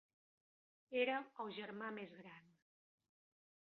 Era el germà més gran.